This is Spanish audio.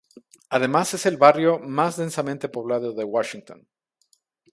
Además es el barrio más densamente poblado de Washington.